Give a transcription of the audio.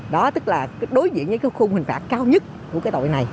đó tức là đối diện với cái khung hình phạt cao nhất của cái tội này